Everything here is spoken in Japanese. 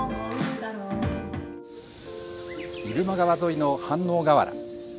入間川沿いの飯能河原。